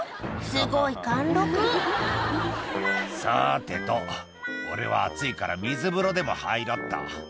すごい貫禄「さてと俺は暑いから水風呂でも入ろうっと」